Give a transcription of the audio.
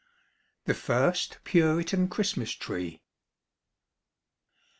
THE FIRST PURITAN CHRISTMAS TREE.